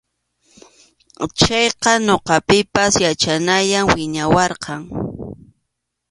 Chayqa ñuqapipas yachanayay wiñawarqan.